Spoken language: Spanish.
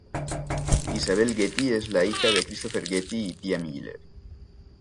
Isabel Getty es la hija de Christopher Getty y Pia Miller.